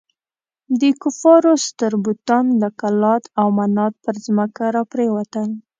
د کفارو ستر بتان لکه لات او منات پر ځمکه را پرېوتل.